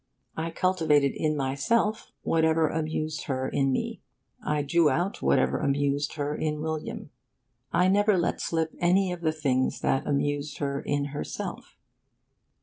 I cultivated in myself whatever amused her in me; I drew out whatever amused her in William; I never let slip any of the things that amused her in herself.